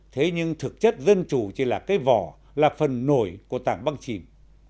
thế nhưng thực chất dân chủ chỉ là cái vỏ là phần nổi của tảng băng chìm